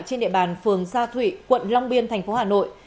trên địa bàn phường sa thụy quận long biên tp hà nội